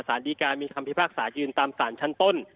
สารดีการมีคำพิพากษายืนตามสารชั้นต้น